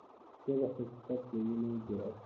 زه د حقیقت ویلو جرئت لرم.